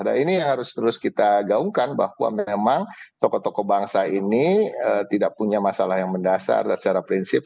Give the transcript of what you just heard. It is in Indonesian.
nah ini yang harus terus kita gaungkan bahwa memang tokoh tokoh bangsa ini tidak punya masalah yang mendasar dan secara prinsip